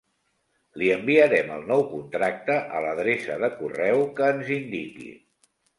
Li enviarem el nou contracte a l'adreça de correu que ens indiqui.